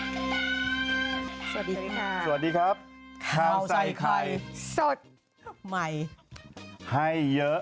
สวัสดีค่ะสวัสดีครับข้าวใส่ไข่สดใหม่ให้เยอะ